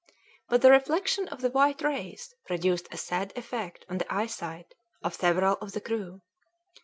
But the reflection of the white rays produced a sad effect on the eyesight of several of the crew.